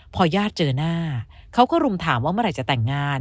พอญาติเจอหน้าเขาก็รุมถามว่าเมื่อไหร่จะแต่งงาน